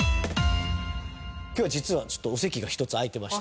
今日は実はちょっとお席が１つ空いてまして。